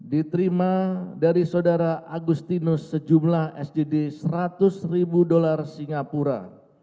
diterima dari saudara agustinus sejumlah sdd seratus ribu dolar singapura